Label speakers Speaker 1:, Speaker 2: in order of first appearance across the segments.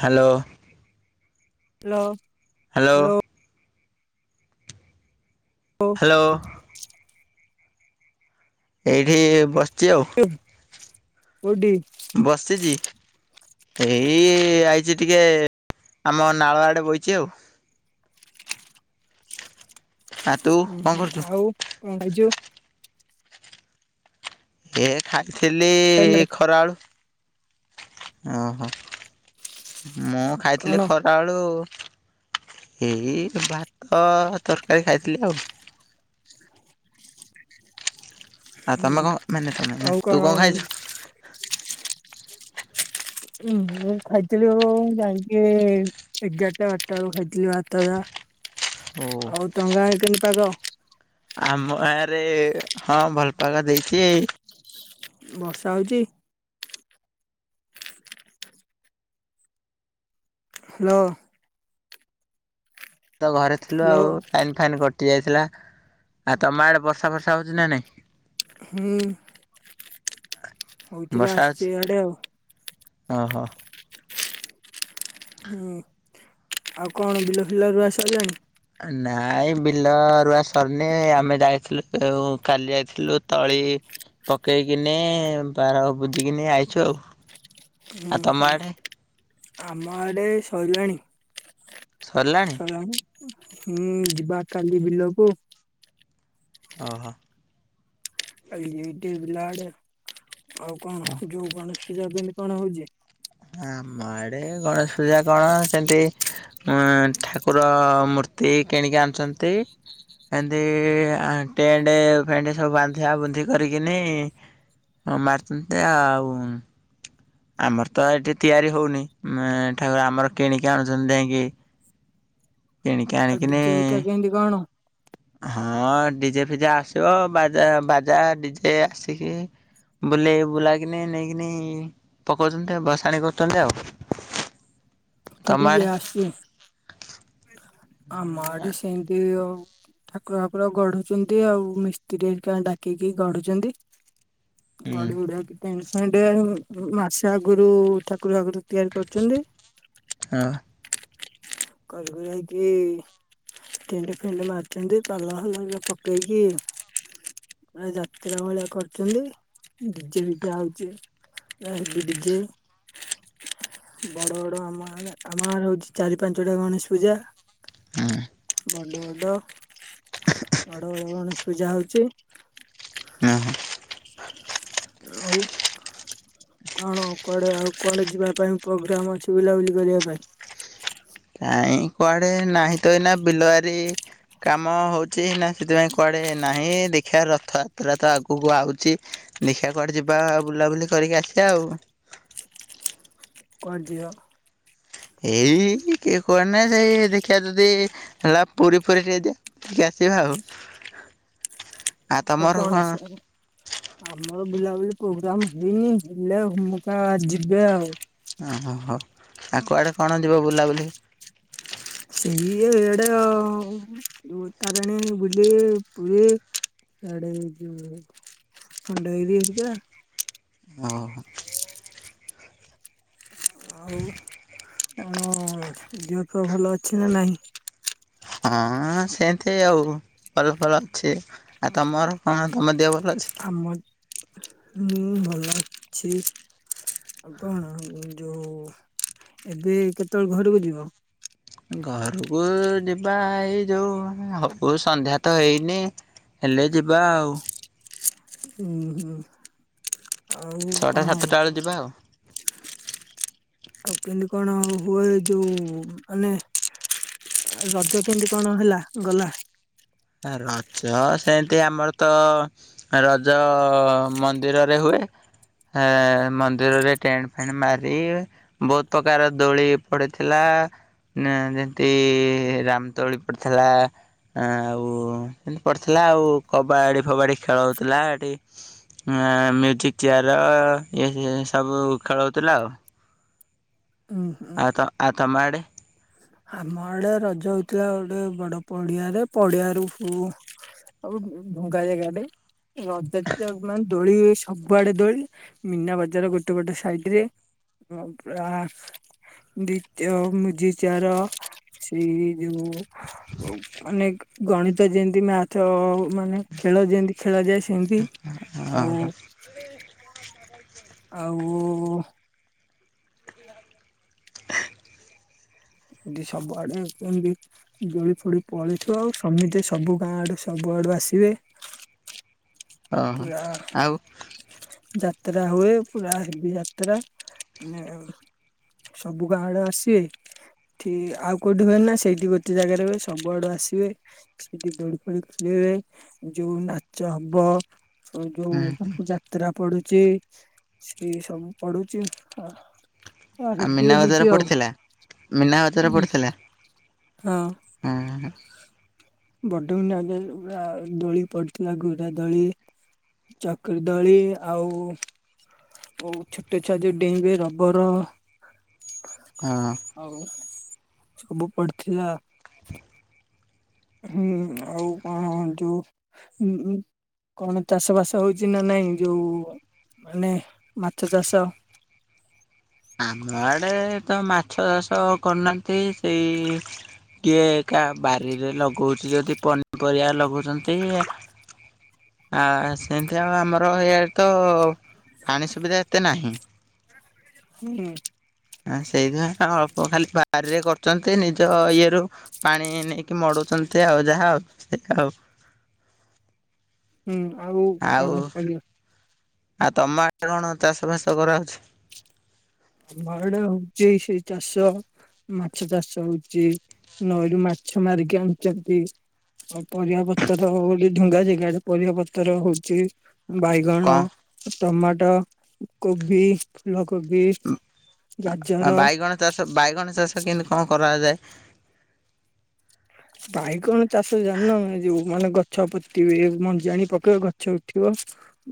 Speaker 1: Hello.
Speaker 2: Hello.
Speaker 1: Hello.
Speaker 2: ଓ
Speaker 1: hello ଏଇଠି ବସଚି ଆଉ।
Speaker 2: କୋଉଠି?
Speaker 1: ବସିଚି। ଏଇ ଆଇଚି ଟିକେ ଆମ ନାଳ ଆଡେ ବଇଚି ଆଉ। ଆ ତୁ କଣ
Speaker 2: ଉହୁଁ
Speaker 1: କରୁଛୁ?
Speaker 2: ଆଉ କଣ ଖାଇଚୁ?
Speaker 1: ଏ ଖାଇଥିଲି
Speaker 2: କଣ
Speaker 1: ଖରାଉଳୁ ଓହୋ ମୁଁ ଖାଇଥିଲି ଖରା ବେଳୁ ଏଇ ଭାତ ତରକାରୀ ଖାଇଥିଲି ଆଉ।
Speaker 2: [inaudible]
Speaker 1: ଆଉ ତମେ କଣ ମାନେ ତମେ ତୁ କଣ ଖାଇଛୁ?
Speaker 2: ହୁଁ ମୁଁ ଖାଇଥିଲି ଆ ଯାଇକି ଏଗାରଟା ବାରଟା ବେଳକୁ ଖାଇଥିଲି ଭାତ
Speaker 1: ଓ
Speaker 2: ଯାହା। ଆଉ ତମ ଆଡେ କେମିତି ପାଗ?
Speaker 1: ଆମ ଗାଁ ରେ ହଁ ଭଲ ପାାଗ ଦେଇଛି।
Speaker 2: ବର୍ଷା ହଉଚି? ହାଲୋ।
Speaker 1: ତ ଘରେ ଥିଲୁ
Speaker 2: ହ୍ୟାଲୋ
Speaker 1: ଆଉ ଟାଇନ୍ ଫାଇନ୍ କ ଟି ଯାଇଥିଲା ଆଉ ତମ ଆଡେ ବର୍ଷା ଫର୍ଷା ହଉଛି ନା ନାଇଁ?
Speaker 2: ହୁଁ। ହଉଥିଲା ଆସିଛି ଇଆଡେ ଆଉ।
Speaker 1: ଓ ହୋ।
Speaker 2: ହୁଁ ଆଉ କଣ ବିଲ ଫିଲ ରୁଆ ସଇଲାଣି?
Speaker 1: ନାଇଁ ବିଲ ରୁଆ ସରିନି ଆମେ ଯାଇଥିଲୁ କାଲି ଯାଇଥିଲୁ ତଳି ପକେଇକିନି ବାର ବୁଝିକିନି ଆଇଛୁ ଆଉ।
Speaker 2: ହୁଁ
Speaker 1: ଆଉ ତମ
Speaker 2: ହୁଁ
Speaker 1: ଆଡ଼େ?
Speaker 2: ଆମ ଆଡ଼େ ସଇଲାଣି।
Speaker 1: ସରିଲାଣି?
Speaker 2: ହୁଁ ଯିବା କାଲି ବିଲକୁ।
Speaker 1: ଓହୋ।
Speaker 2: ଆଉ କଣ ଯଉ କଣ ନି କଣ ହଉଛି?
Speaker 1: ଆମ ଆଡେ ଗଣେଶ ପୂଜା କଣ ସେମତି ଉ ଠାକୁର ମୂର୍ତ୍ତି କି କିଣିକି ଆଣିୁଛନ୍ତି। ଏମତି ସବୁ ବାନ୍ଧିବା ବୁନ୍ଧି କରିକିନି ଆ ମାରଚନ୍ତି ଆଉ। ଆମର ତ ଏଇଠି ତିଆରି ହଉନି ଠାକୁର ଆମର କିଣିକି ଆଣୁଛନ୍ତି ଯାଇକି କିଣିକିନି
Speaker 2: ଆଉ
Speaker 1: ଆଣିିକିନି
Speaker 2: ଡିଜେ ହେରିକା କେମିତି କଣ
Speaker 1: ହଁ ଡିଜେ ଫିଜେ ଆସିବ ବାଜା ବାଜା ଡିଜେ ଆସିକି ବୁଲେଇ ବୁଲାକିନି ନେଇକିନି ପକଉଛନ୍ତି ଭସାଣି କରୁଛନ୍ତି ଆଉ।
Speaker 2: [inaudible]
Speaker 1: ତମ
Speaker 2: କିଡି
Speaker 1: ଆଡେ?
Speaker 2: ଆସଛି ଆମ ଆଡେ ସେମତି ଆଉ ଠାକୁର ବାକୁର ଗଢୁଛନ୍ତି ଆଉ ମିସ୍ତ୍ରୀ ଡାକିକି ଗଢୁଛନ୍ତି।
Speaker 1: ହୁଁ
Speaker 2: ଗଡି ଗୁଢା କି ଟେନସ ସେଟ ମାସେ ଆଗରୁ ଠାକୁର ବାକୁର ତିଆରି କରିଛନ୍ତି।
Speaker 1: ଆଁ।
Speaker 2: କରି କୁରା କି ଟିଣ୍ଡେ ଫିଣ୍ଡେ ମାରିଚନ୍ତି କ [unintelligible] ପକେଇକି। ପୁରା ଯାତ୍ରା ଭଳିଆ କରୁଛନ୍ତି ଡିଜେ ଫିଜେ ଆଉଛି। ଡିଜେ ବଡ ବଡ ଆମ ଆମ ଗାଁରେ ହଉଛି ଚାରି ପାଞ୍ଚଟା ଗଣେଶ ପୂଜା।
Speaker 1: ହୁଁ।
Speaker 2: ବଡ଼ ବଡ ବଡ ବଡ ଗଣେଶ ପୂଜା ହଉଛି।
Speaker 1: ନାହା।
Speaker 2: ଆଉ କଣ କୁଆଡେ ଆଉ କୁଆଡେ ଯିବା ପାଇଁ ପ୍ରୋଗ୍ରାମ ଅଛି ବୁଲାବୁଲି କରିବା ପାଇଁ?
Speaker 1: ନାଇଁ କୁଆଡେ ନାହିଁ ତ ଏଇନା ବିିଲ ବାରି ବାରି କାମ ହଉଛି ନା ସେଥିପାଇଁ କୁଆଡେ ନାହିଁ ଦେଖିବା ରଥଯାତ୍ରା ତ ଆଗକୁ ଆ ଆଉଛି ଦେଖିବା କୁଆଡେ ଯିବା ବୁଲାବୁଲି କରିକି ଆସିବା ଆଉ।
Speaker 2: କୁଆଡେ ଯିଅ?
Speaker 1: ଏଇ କିଏ କୁଆଡେ ନାଇଁ ସେଇ ଦେଖିଆ ଯଦି ହେଲା ପୁରୀ ଫୁରି ଟିକେ ଯିଆ ଜା ସେ ଖାଉ।
Speaker 2: ଆଉ କଣ ଅଛି ଆମର ବୁଲାବୁଲି ପ୍ରୋଗ୍ରାମ ହେଇନି ହେଲେ ହୁମୁକା ଯିବେ ଆଉ।
Speaker 1: ଓ ହୋ ହୋ ଆଉ କୁଆଡ଼େ କଣ ଯିବେ ବୁଲାବୁଲି?
Speaker 2: ସେଇ ଇଏରେ ଏଟାର ଉ ତାରିଣୀ ବୁଲି ପୁରୀ। ଖଣ୍ଡଗିରି ଯିବା।
Speaker 1: ଅଁ ହଁ।
Speaker 2: ଆଉ କଣ ଦିଅ ଫିଅ ଭଲ ଅଛି ନା ନାହିଁ?
Speaker 1: ହଁ ସେମତି ଆଉ ଭଲ ଫଲ ଅଛି ଆଉ ତମର କଣ ତମ ଦେହଭ
Speaker 2: ଆମ ମୁଁ ଭଲ ଅଛି। ଆଉ କଣ ଯୋଉ ଏବେ କେତବେଳେ ଘରୁକୁ ଯିବ?
Speaker 1: ଘରୁକୁ ଯିବା ଏଇ ଯୋଉ ହବ ସନ୍ଧ୍ୟା ତ ହେଇନି। ହେଲେ ଯିବା ଆଉ।
Speaker 2: ହୁଁ ହୁଁ ଆଉ
Speaker 1: ଛଅଟା
Speaker 2: କଣ?
Speaker 1: ସାତଟା ବେଳେ ଯିବା ଆଉ
Speaker 2: ଆଉ କିମତି କଣ ହୁଏ ଯୋଉ ମାନେ ରଜ କେମତି କଣ ହେଲା ଗଲା।
Speaker 1: ରଜ ସେମତି ଆମର ତ ରଜ ମନ୍ଦିରରେ ହୁଏ। ହା ମନ୍ଦିରରେ ଟେଣ୍ଟ ଫେଣ୍ଟ ମାରି ବହୁତ ପ୍ରକାର ଦୋଳି ପଡିଥିଲା। ଆ ଯେମତି ରାମଦୋଳି ପଡିଥିଲା। ଆଁ ଉଁ ହେମତି ପଡିଥିଲା ଆଉ କବାଡି ଫବାଡି ଖେଳ ହଉଥିଲା ହେଠି। ମ୍ୟୁଜିକ ଚେୟାର ଏ ସବୁ ଖେଳହଉଥିଲା ଆଉ।
Speaker 2: ଉଁ ହୁ।
Speaker 1: ଆଉ ତ ଆଉ ତମ ଆଡେ।
Speaker 2: ଆମ ଆଡେ ରଜ ହଉଥିଲା ଗୋଟେ ବଡ ପଡିଆରେ ପଡିଆ ରୁ ହୁ ଆଉ ଭଙ୍ଗା ଜାଗାଡେ। ରଜ ତ ମାନେ ଦୋଳି ସବୁଆଡେ ଦୋଳି ମୀନା ବଜାର ଗୋଟେ ଗୋଟେ ସାଇଡ୍ ରେ। [unintelligible] ସିଆର ସିଏ ଯୋଉ ଅନେକ ଗଣିତ ଯେମତି ମ୍ୟାଥ ମାନେ ଖେଳ ଯେମତି ଖେଳା ଯାଏ ସେମତି ଆଉ।
Speaker 1: ଓହୋ
Speaker 2: ଆଉ। ଏଠି ସବୁଆଡେ କେମତି ଦୋଳି ଫୋଳି ପଳେଇଥିବ ଆଉ ସମିତେ ସବୁ ଗାଁ ଆଡେ ସବୁ। କୁଆଡୁ ଆସିବେ?
Speaker 1: ଓ ହୋ
Speaker 2: ପୁରା
Speaker 1: ଆଉ।
Speaker 2: ଯାତ୍ରା ହୁଏ ପୁରା ହେବି ଯାତ୍ରା ‌। ସବୁ ଗାଁ ଆଡେ ଆସିବେ ଠିକ ଆଉ କୋଉଠି ହୁଏ ନା। ସେଇଠି ଗୋଟେ ଜାଗାରେ ହୁଏ ସବୁ ଆଡେ ଆ ଆସିବେ ସେଠି ଦୋଳି ଫୋଳି ଖେଳିବେ। ଯୋଉ ନାଚ ହବ। ହ ଯୋଉ ପାଖ ଯାତ୍ରା ପଡି ଚି ସିଏ ସବୁ ପଢୁଚି। ହଁ
Speaker 1: ଆଉ
Speaker 2: ହେବି
Speaker 1: ମୀନା ବଜାର
Speaker 2: ହଉଚି ଆଉ
Speaker 1: ପଡ଼ିଥିଲା? ମୀନା
Speaker 2: ଉଁ ହଁ।
Speaker 1: ଅ ହଁ।
Speaker 2: ବଡିନ ନଗେଇ ପୁରା ଦୋଳି ପଡିଥିଲା ଘୁରା ଦୋଳି। ଚକ୍ରୀ ଦଳି ଆଉ ଆଉ ଛୋଟ ଛୁଆ ଯୋଉ ଡେଇଁବେ ରବର
Speaker 1: ହଁ।
Speaker 2: ଆଉ ସବୁ ପଡିଥିଲା। ହୁଁ ଆଉ କଣ ଯୋଉ ହୁଁ ଉଁ। କଣ ଚାଷ ବାସ ହଉଚି ନା ନାଇଁ ଯୋଉ ମାନେ ମାଛ ଚାଷ।
Speaker 1: ଆମ ଆଡ଼େ ତ ମାଛ ଚାଷ କରୁନାହାନ୍ତି ସେଇ କିଏ କା ବାରିରେ ଲଗଉଚି ଯଦି ପନିପରିବା ଲଗାଉଚନ୍ତି। ଆ ସେନ୍ତି ଆଉ ଆମର ଇଆଡ଼େ ତ ପାଣି ସୁବିଧା ଏତେ ନାହିଁ।
Speaker 2: ହୁଁ।
Speaker 1: ଆଁ ସେଇଥିପାଇଁ ସା ଅଳ୍ପ ଖାଲି ବାରିରେ କରୁଚନ୍ତି ନିଜ ଇଏରୁୁ ପାଣି ନେଇକି ମଡୁ଼ଉଚ ଅନ୍ତି ଆଉ ଯାହା ଆଉ ଏକା ଆଉ।
Speaker 2: ହୁଁ ଆଉ କଣ ପରିବା?
Speaker 1: ଆଉ ତମ ଆ କଣ ଚାଷ ଫାସ କରାହଉଛି?
Speaker 2: ଆମ ଆଡ଼େ ହଉଚି ସେଇ ଚାଷ ମାଛ ଚାଷ ହୋଉଚି। ନଈରୁ ମାଛ ମାରିକି ଆଣୁଚନ୍ତି। ଆଉ ପରିବା ପତର ବୋଲି ଢୁଙ୍ଗା ଜେଗାରେ ପରିବା ପତର ହୋଉଚି। ବାଇଗଣ
Speaker 1: କଣ
Speaker 2: ଟମାଟୋ କୋବି ଫୁଲକୋବି।
Speaker 1: ଉଁ ଆ
Speaker 2: ଗାଜର
Speaker 1: ଆ ବାଇଗଣ ଚାଷ ବାଇଗଣ ଚାଷ କେନ୍ତି କଣ କରାଯାଏ?
Speaker 2: ବାଇଗଣ ଚାଷ ଜାଣିନ ହେ ଯୋଉ ମାନେ ଗ ଛ ପୋତିବେ ମଞ୍ଜି ଆଣି ପକେଇବେ ଗଛ ଉଠିବ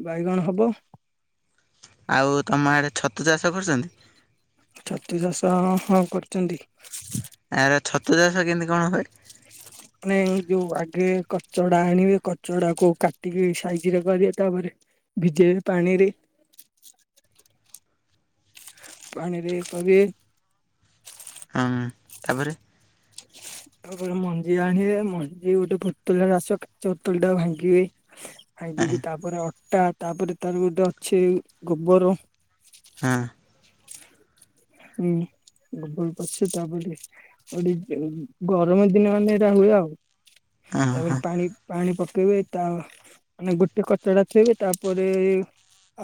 Speaker 2: ବାଇଗଣ ହବ।
Speaker 1: ଆଉ ତମ ଆଡ଼େ ଛତୁ ଚାଷ କରୁଚନ୍ତି?
Speaker 2: ଛତୁ ଚାଷ ହଁ କରୁଚନ୍ତି।
Speaker 1: ଏହାର ଛତୁ ଚାଷ କେନ୍ତି କଣ ହୁଏ?
Speaker 2: ହ ନେ ଯୋଉ ଆଗେ କଚଡ଼ା ଆଣିବେ କଚଡ଼ାକୁ କାଟିକି ସାଇଜ୍ ରେ କରିଏ ତାପରେ ଭିଜେଇବେ ପାଣିରେ। ପାଣିରେ କହିବେ
Speaker 1: ହଁ ତାପରେ?
Speaker 2: ହ ତାପରେ ମଞ୍ଜି ଆଣିବେ ମଞ୍ଜି ଗୋଟେ ପତଳା ରାସ କାଚ ଓତଲ୍ ଟାଉ ଭାଙ୍ଗିବେ।
Speaker 1: ହଁ
Speaker 2: ହାଇ‌ପିକି ତାପରେ ଅଟା ତାପରେ ତାର ଗୋଟେ ଅଛି ଗୋବର।
Speaker 1: ହଁ।
Speaker 2: ହୁଁ। ଗୋବର ପଛି ତାପ ଟିଏ ଓଟେ ଉଁ ଗରମ ଦିନ ମାନେ ଏଟା ହୁଏ ଆଉ। ତାପରେ
Speaker 1: ହଁ
Speaker 2: ପାଣି ପାଣି ପ ପକେଇବେ ତା ମାନେ ଗୋଟେ କଚଡ଼ା ଥୋଇବେ ତାପରେ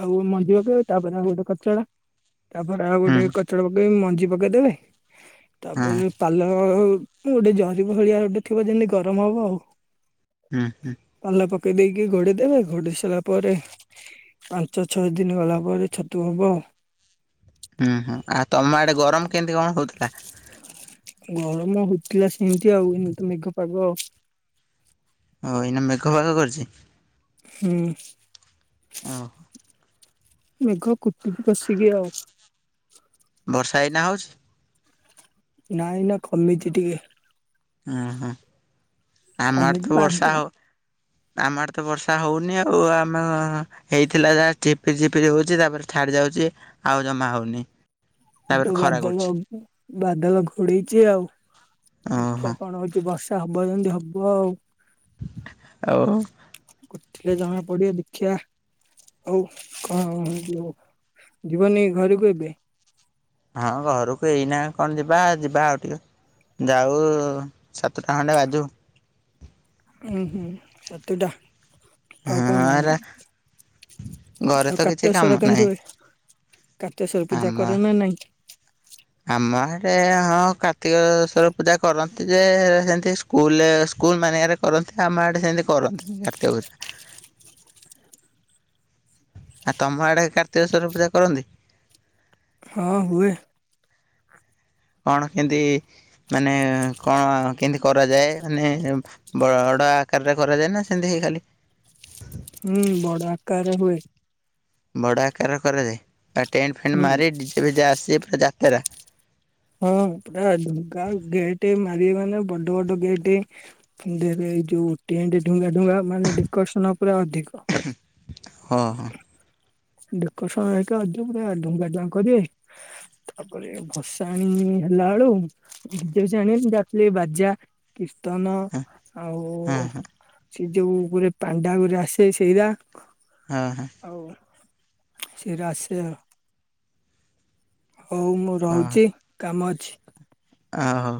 Speaker 2: ଆଉ ମଞ୍ଜି ଅକେଇବେ ତାପରେ ଆଉ ଗୋଟେ କଚଡ଼ା ତାପରେ ଆଉ
Speaker 1: ହଁ।
Speaker 2: ଗୋଟେ କ ବି ମଞ୍ଜି ପକେଇଦେବେ
Speaker 1: ହଁ
Speaker 2: ତାପରେ ପାଲ ଅଉ ଓଟେ ଜରି ଭଳିଆ ଓଟେ ଥିବ ଯେମିତି ଗରମ ହବ ଆଉ।
Speaker 1: ଉଁ ହୁଁ।
Speaker 2: କେଇ ଦେଇକି ଘୋଡ଼େଇଦେବେ ଘୋଡ଼େଇ ସାଇଲା ପରେ ପାଞ୍ଚ ଛଅ ଦିନ ଗଲା ପରେ ଛତୁ ହବ ଆଉ।
Speaker 1: ଉଁ ହୁଁ ଆ ତମ ଆଡ଼େ ଗରମ କେନ୍ତି କଣ ହଉଥୁଲା?
Speaker 2: ଗରମ ହୋଉଥୁଲା ସେନ୍ତି ଆଉ ଏନେ ତ ମେଘ ପାଗ ଆଉ।
Speaker 1: ଆଉ ଏଇନା ମେଘ ପାଗ କରିଚି?
Speaker 2: ହୁଁ।
Speaker 1: ଅହ।
Speaker 2: ମେଘ କୁଟୁଚି କସିକି ଆଉ।
Speaker 1: ବର୍ଷା ଏଇନା ହଉଛି?
Speaker 2: ନାଁ ଏଇନା କମିଚି ଟିକେ।
Speaker 1: ଅଁ ହଁ ଆମର
Speaker 2: କମିଛି
Speaker 1: ତ
Speaker 2: ବାଦ
Speaker 1: ବର୍ଷା ହ ଆମ ଆଡ଼େ ତ ବର୍ଷା ହୋଉନି ଆଉ ଆମ ହେଇଥିଲା ଯାହା ଚିପିରି ଚିପିରି ହୋଉଚି ତାପରେ ଛାଡ଼ି ଯାଉଚି ଆଉ ଜମା ହୋଉନି।
Speaker 2: କି ତୁ ବାଦଲ ବାଦଲ ଘୋଡ଼େଇଚି ଆଉ। ଦେଖିବା
Speaker 1: ଓହୋ
Speaker 2: କଣ ହଉଛି ବର୍ଷା ହବ ଯେମିତି ହବ ଆଉ
Speaker 1: ଆଉ
Speaker 2: ଉଠିଲେ ଜଣା ପଡିବ ଦେଖିବା ଆଉ କଣ ଯିବନି ଘରକୁ ଏବେ
Speaker 1: ହଁ ଘରକୁ ଏଇନା କଣ ଯିବା ଯିବା ଆଉ ଟିକେ ଯାଉ ସାତଟା ଖଣ୍ଡେ ବାଜୁ
Speaker 2: ଉୁଁ ହୁଁ ସାତଟା ଆଉ କଣ
Speaker 1: ହଁ
Speaker 2: ଆଉ
Speaker 1: ଏରା ଘରେ ତ କିଛି କାମ
Speaker 2: କାର୍ତ୍ତିକେଶ୍ୱର କେମିତି
Speaker 1: ନାହିଁ
Speaker 2: ହୁଏ କାର୍ତ୍ତିକେଶ୍ୱର ପୂଜା କର
Speaker 1: ଆମ
Speaker 2: ନା ନାଇଁ
Speaker 1: ଆମ ଆଡ଼େ ହଁ କାର୍ତ୍ତିକେଶ୍ୱର ପୂଜା କରନ୍ତି ଯେ ସେମିତି ସ୍କୁଲ ସ୍କୁଲ ମାନଙ୍କରେ କରନ୍ତି ଆମ ଆଡ଼େ ସେମିତି କରନ୍ତିନି କାର୍ତ୍ତିକ ପୂଜା। ଆଉ ତମ ଆଡ଼େ କାର୍ତ୍ତିକେଶ୍ୱର ପୂଜା କରନ୍ତି
Speaker 2: ହଁ ହୁଏ
Speaker 1: କଣ କେମିତି ମାନେ କଣ କେମିତି କରାଯାଏ ମାନେ ବଡ଼ ଆକାରରେ କରାଯାଏ ନା ସେମିତି ଖାଲି
Speaker 2: ହୁଁ ବଡ ଆକାରରେ ହୁଏ
Speaker 1: ବଡ଼ ଆକାରରେ କରାଯାଏ। ଆଉ ଟେଣ୍ଟ ଫେଣ୍ଟ
Speaker 2: ହୁଁ
Speaker 1: ମାରି ଡିଜେ ଫିଜେ ଆସି ପୁରା ଯାତେରା
Speaker 2: ହଁ ପୁରା ଢୁଙ୍ଗା ଗେଟ୍ ମାରିବେ ମାନେ ବଡ ବଡ ଗେଟ୍ ଏଇ ଯୋଉ ଟେଣ୍ଟ ଢୁଙ୍ଗା ଢୁଙ୍ଗା ମାନେ ଡେକୋରେସନ ପୁରା ଅଧିକ
Speaker 1: ହଁ ହଁ
Speaker 2: ଡେକୋରେସନ ହେରିକା ଅଧିକ ପୁରା ଢୁଙ୍ଗା ଢୁଙ୍ଗା କରିବେ ତାପରେ ଭସାଣି ହେଲା ବେଳୁ ଡିଜେ ଫିଜେ ଆଣିବେନି ଯାହାଥିଲେ ବାଜା କୀର୍ତ୍ତନ ଆଉ
Speaker 1: ହଁ
Speaker 2: ସେ ଯୋଉ ଗୁରେ ପାଣ୍ଡା ଗୁରେ ଆସେ ସେଇରା
Speaker 1: ହଁ
Speaker 2: ଆଉ ସେଇରା ଆସେ ଆଉ ହଉ ମୁଁ
Speaker 1: ହଁ
Speaker 2: ରହୁଛି କାମ ଅଛି।
Speaker 1: ହଁ ହଉ।